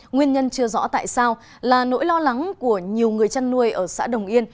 nguyên nhân chưa rõ tại sao là nỗi lo lắng của nhiều người chăn nuôi ở xã đồng yên